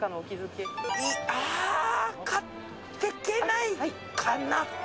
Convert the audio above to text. あぁ買ってけないかな。